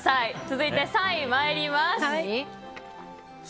続いて３位参ります。